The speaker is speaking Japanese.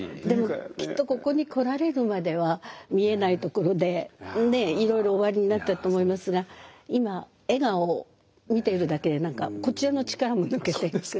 でもきっとここに来られるまでは見えないところでいろいろおありになったと思いますが今笑顔を見ているだけで何かこちらの力も抜けていく。